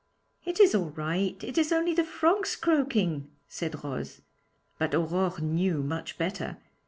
'It is all right; it is only the frogs croaking,' said Rose; but Aurore knew much better.